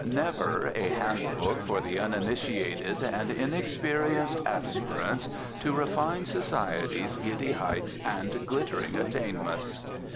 50. NEVER Never: _A Hand Book for the Uninitiated and Inexperienced Aspirants to Refined Society's Giddy Heights and Glittering Attainments.